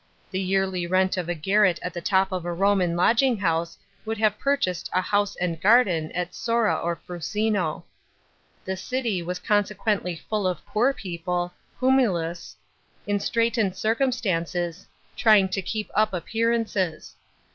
The yearly rent of a garret at the top of a Roman lodging house would have purchased a houst and garden at So'a o> Frnsino. J Ti.e city was consequently full of poor people (humil'S) in straitened circumstances, tn ing to uerp up appearances.